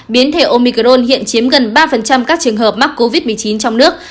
biến thể omicron hiện chiếm gần ba các trường hợp mắc covid một mươi chín trong nước